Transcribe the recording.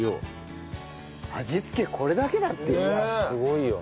味付けこれだけだってよ。